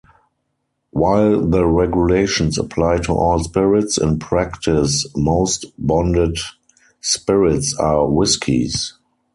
While the regulations apply to all spirits, in practice, most bonded spirits are whiskeys.